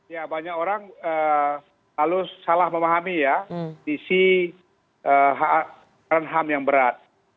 ya banyak orang lalu salah memahami ya sisiran ham yang berat